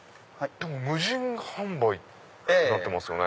無人販売ってなってますよね。